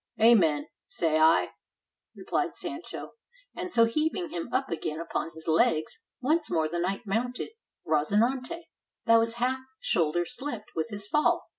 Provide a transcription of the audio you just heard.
"Amen, say I," replied Sancho. And so heaving him up again upon his legs, once more the knight mounted Rozinante, that was half shoulder slipped with his fall.